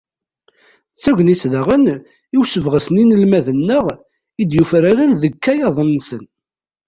D tagnit daɣen, i usebɣes n yinelmaden-nneɣ i d-yufraren deg yikayaden-nsen.